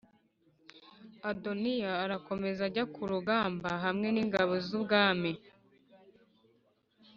Adoniya arakomeza ajya ku rugamba hamwe n’ingabo z’ubwami